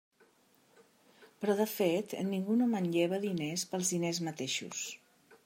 Però, de fet, ningú no manlleva diners pels diners mateixos.